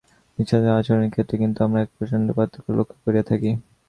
নীতিশাস্ত্রে ও আচরণের ক্ষেত্রে কিন্তু আমরা এক প্রচণ্ড পার্থক্য লক্ষ্য করিয়া থাকি।